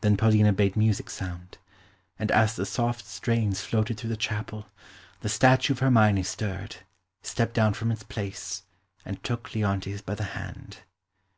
Then Paulina bade music sound, and as the soft strains floated through the chapel, the statue of Hermione stirred, stepped down from its place, and took Leontes by the hand.